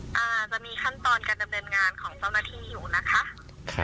อาจจะมีขั้นตอนการดำเนินงานของเจ้าหน้าที่อยู่นะคะ